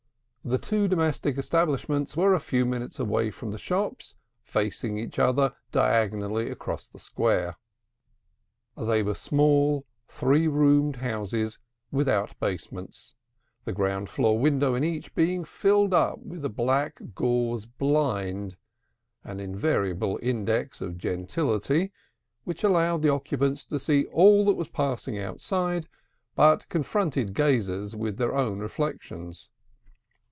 The two domestic establishments were a few minutes away from the shops, facing each other diagonally across the square. They were small, three roomed houses, without basements, the ground floor window in each being filled up with a black gauze blind (an invariable index of gentility) which allowed the occupants to see all that was passing outside, but confronted gazers with their own rejections.